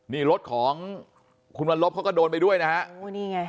นี่รถของคุณรบเขาก็โดนไปด้วยนะครับ